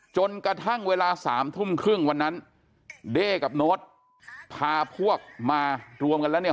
จนกระทั่งเวลาสามทุ่มครึ่งวันนั้นเด้กับโน้ตพาพวกมารวมกันแล้วเนี่ย